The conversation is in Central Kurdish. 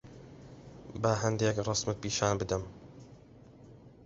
با هەندێک ڕەسمت پیشان بدەم.